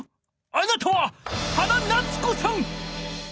あなたは原菜摘子さん！